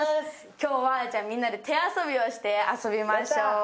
今日はみんなで手遊びをして遊びましょう。